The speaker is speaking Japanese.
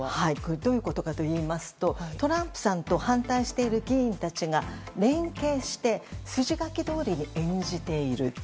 どういうことかといいますとトランプさんと反対している議員たちが連携して筋書きどおりに演じている。